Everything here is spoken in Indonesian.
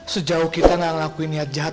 sejauh kita nggak ngelakuin niat jahat